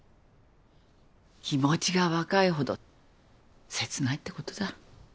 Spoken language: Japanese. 気持ちが若いほど切ないってことだ。